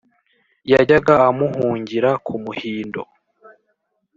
yajyaga amuhungira ku muhindo.